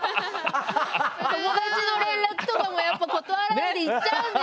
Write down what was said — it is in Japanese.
友達の連絡とかもやっぱり断らないで行っちゃうんです。